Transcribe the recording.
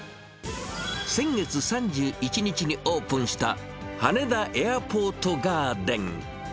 先月３１日にオープンした羽田エアポートガーデン。